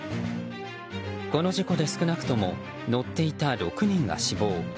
この事故で少なくとも乗っていた６人が死亡。